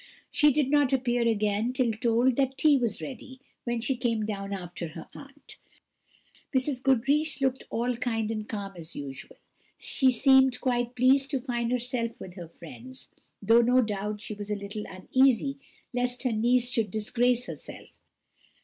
She did not appear again till told that tea was ready, when she came down after her aunt. Mrs. Goodriche looked all kind and calm as usual; she seemed quite pleased to find herself with her friends, though no doubt she was a little uneasy lest her niece should disgrace herself.